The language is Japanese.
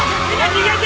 逃げて！